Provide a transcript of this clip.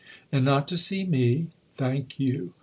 " And not to see me ? Thank you